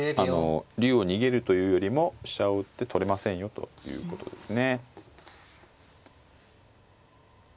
竜を逃げるというよりも飛車を打って取れませんよということですね。